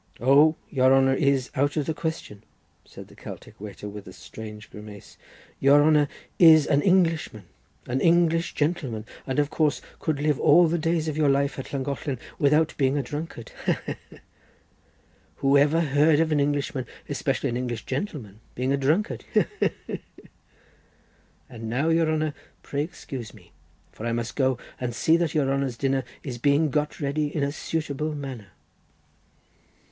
"Oh, your honour is out of the question," said the Celtic waiter, with a strange grimace. "Your honour is an Englishman, an English gentleman, and of course could live all the days of your life at Llangollen without being a drunkard, he he! Who ever heard of an Englishman, especially an English gentleman, being a drunkard, he he he! And now, your honour, pray excuse me, for I must go and see that your honour's dinner is being got ready in a suitable manner."